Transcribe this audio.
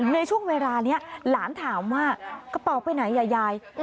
ในช่วงเวลานี้หลานถามว่ากระเป๋าไปไหนอ่ะยาย